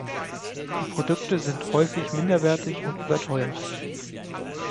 Die Produkte sind häufig minderwertig und überteuert.